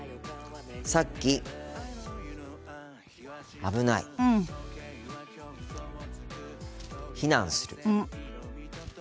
さっき「危ない」「避難する」